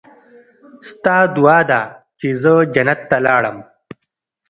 ستا دعا ده چې زه جنت ته لاړم.